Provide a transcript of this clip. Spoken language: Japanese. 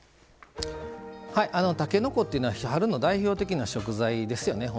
たけのこっていうのは春の代表的な食材ですよね。